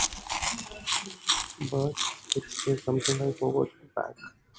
But it's just something I forgot to pack.